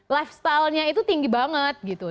lifestyle nya itu tinggi banget gitu